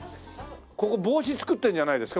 ここ帽子作ってるんじゃないですか？